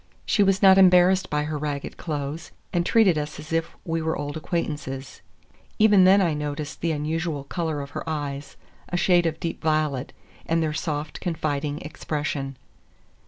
She was not embarrassed by her ragged clothes, and treated us as if we were old acquaintances. Even then I noticed the unusual color of her eyes—a shade of deep violet—and their soft, confiding expression.